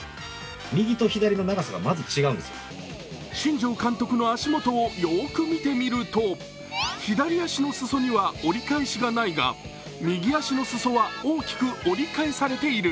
新庄監督の足元をよく見てみると左足の裾には折り返しがないが右足の裾は大きく折り返されている。